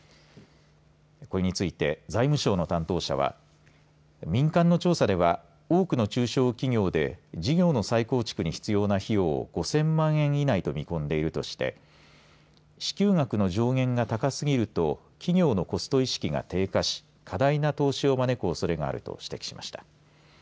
これについて財務省の担当者は民間の調査では多くの中小企業で事業の再構築に必要な費用を５０００万円以内と見込んでいるとして支給額の上限が高すぎると企業のコスト意識が低下し過大な投資を招くおそれがあると指摘しました。